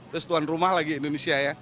terus tuan rumah lagi indonesia ya